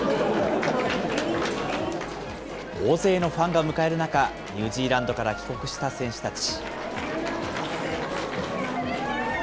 大勢のファンが迎える中、ニュージーランドから帰国した選手たち。